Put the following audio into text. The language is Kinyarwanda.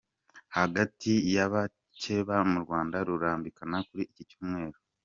Hagati yabacyeba m’ urwanda Rurambikana kuri iki cyumweru